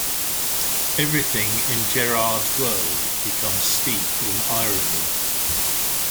Everything in Gerard's world becomes steeped in irony.